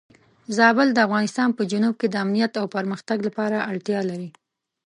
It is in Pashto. زابل د افغانستان په جنوب کې د امنیت او پرمختګ لپاره اړتیا لري.